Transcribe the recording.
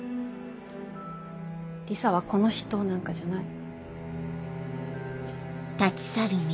リサは「この人」なんかじゃない。